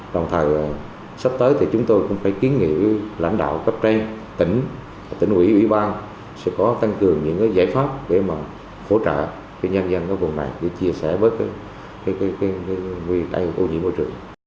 và sắp tới thì chúng tôi cũng phải kiến nghị lãnh đạo cấp tranh tỉnh tỉnh ủy ủy ban sẽ có tăng cường những giải pháp để mà hỗ trợ nhân dân ở vùng này để chia sẻ với người đại hội ô nhiễm môi trường